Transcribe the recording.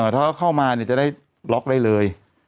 ถ้าเข้ามาจะได้ล็อกได้เลย